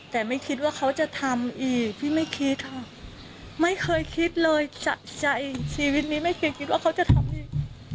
แต่ไม่คิดว่าเขาจะทำอีกพี่ไม่คิดค่ะไม่เคยคิดเลยจากใจชีวิตนี้ไม่เคยคิดว่าเขาจะทำอีก